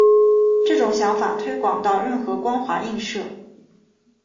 这种想法推广到任何光滑映射。